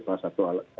salah satu alat